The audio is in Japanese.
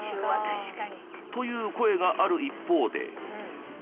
という声がある一方で。